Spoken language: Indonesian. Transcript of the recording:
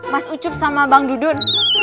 mas ucup sama bang dudun